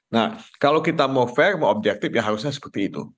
nah kalau kita mau fair mau objektif ya harusnya seperti itu